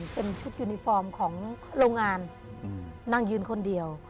เป็นชุดยูนิฟอร์มของโรงงานนางยืนคนเดียว